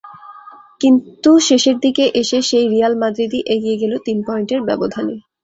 কিন্তু শেষের দিকে এসে সেই রিয়াল মাদ্রিদই এগিয়ে গেল তিন পয়েন্টের ব্যবধানে।